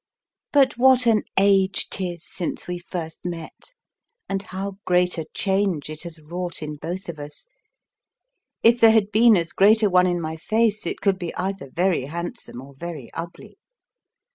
But what an age 'tis since we first met, and how great a change it has wrought in both of us; if there had been as great a one in my face, it could be either very handsome or very ugly.